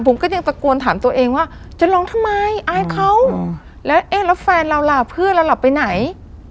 ผมก็ยังตะโกนถามตัวเองว่าจะร้องทำไมอายเขาแล้วเอ๊ะแล้วแฟนเราล่ะเพื่อนเราหลับไปไหน